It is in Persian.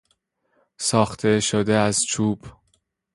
ساخته شده از چوب